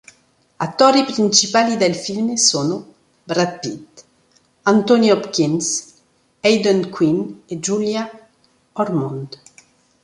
Attori principali del film sono Brad Pitt, Anthony Hopkins, Aidan Quinn e Julia Ormond.